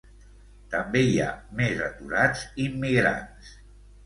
També hi ha més aturats immigrants.